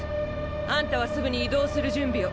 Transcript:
アンタはすぐに移動する準備を。